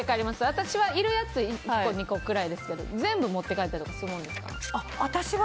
私は、いるやつ１個２個くらいですけど全部持って帰ったりするんですか。